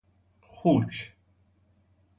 خوک